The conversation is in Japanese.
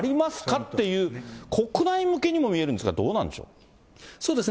っていう、国内向けにも見えるんですが、そうですね。